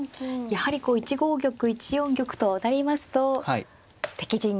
やはりこう１五玉１四玉と上がりますと敵陣に。